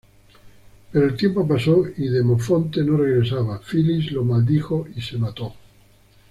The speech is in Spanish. Pero el tiempo pasó y Demofonte no regresaba, Filis lo maldijo y se mató.